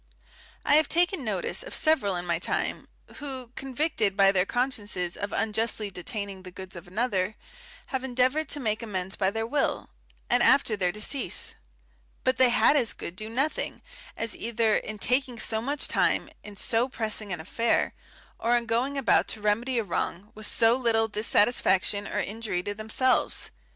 [Herod., ii. 121.] I have taken notice of several in my time, who, convicted by their consciences of unjustly detaining the goods of another, have endeavoured to make amends by their will, and after their decease; but they had as good do nothing, as either in taking so much time in so pressing an affair, or in going about to remedy a wrong with so little dissatisfaction or injury to themselves.